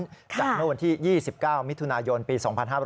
จากเมื่อวันที่๒๙มิถุนายนปี๒๕๕๙